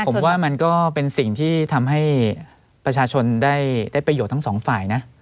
ผมว่ามันก็เป็นสิ่งที่ทำให้ประชาชนได้ประโยชน์ทั้งสองฝ่ายนะ